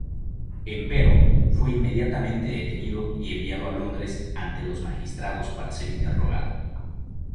Empero, fue inmediatamente detenido y enviado a Londres ante los magistrados para ser interrogado.